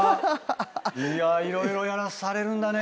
いやいろいろやらされるんだね。